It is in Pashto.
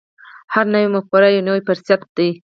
هره نوې مفکوره یو نوی فرصت دی.